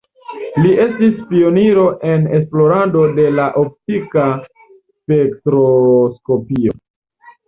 Li estis pioniro en esplorado de la optika spektroskopio.